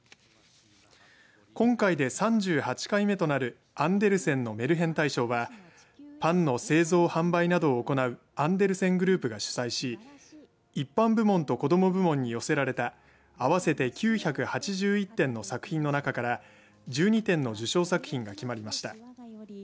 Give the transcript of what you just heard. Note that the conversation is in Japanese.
今回で３８回目となるアンデルセンのメルヘン大賞はパンの製造、販売などを行うアンデルセングループが主催し一般部門と子ども部門に寄せられた合わせて９８１点の作品の中から１２点の受賞作品が決まりました。